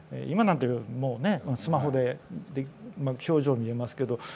今なんてもうねスマホで表情見えますけど。